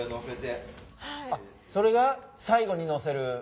それが最後にのせる。